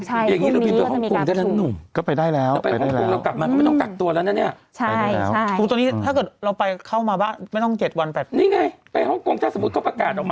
ใช่ท่วมนี้ก็จะมีการประชุม